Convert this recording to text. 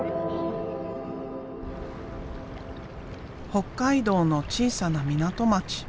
北海道の小さな港町。